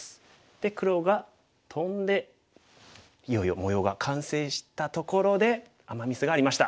で黒がトンでいよいよ模様が完成したところでアマ・ミスがありました。